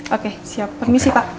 oke siap permisi pak